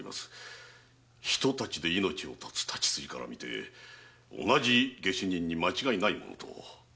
一太刀で命を絶つ太刀筋から見て同じ下手人に間違いないものと。